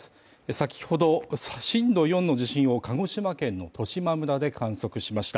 先ほど震度４の地震を鹿児島県の十島村で観測しました。